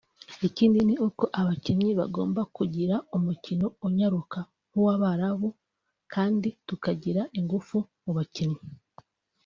Ikindi ni uko abakinnyi bagomba kugira umukino unyaruka nk’uw’Abarabu kandi tugashyira ingufu mu bakinnyi